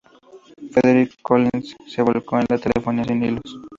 Frederick Collins se volcó en la telefonía sin hilos.